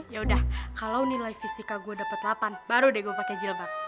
yaudah kalau nilai fisika gue dapet delapan baru deh gue pake jilbab